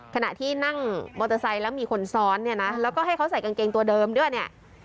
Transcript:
ขณะที่นั่งมอเตอร์ไซค์แล้วมีคนซ้อนเนี่ยนะแล้วก็ให้เขาใส่กางเกงตัวเดิมด้วยเนี่ย